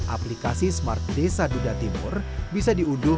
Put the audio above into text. aplikasi smart desa dudatimur bisa diunduh